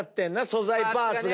素材パーツが。